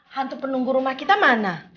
hantu penunggu rumah kita mana